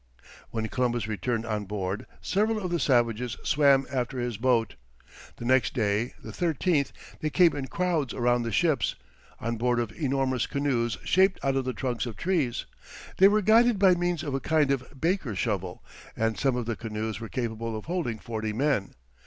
When Columbus returned on board, several of the savages swam after his boat; the next day, the 13th, they came in crowds around the ships, on board of enormous canoes shaped out of the trunks of trees; they were guided by means of a kind of baker's shovel, and some of the canoes were capable of holding forty men.